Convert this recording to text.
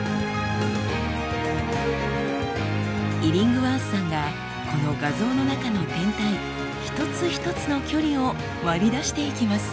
イリングワースさんがこの画像の中の天体一つ一つの距離を割り出していきます。